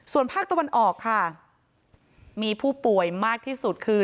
ส่วนภาคตะวันออกค่ะมีผู้ป่วยมากที่สุดคือ